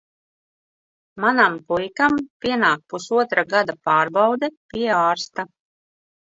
Manam puikam pienāk pusotra gada pārbaude pie ārsta.